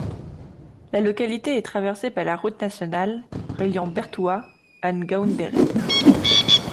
La localité est traversée par la route nationale reliant Bertoua à Ngaoundéré.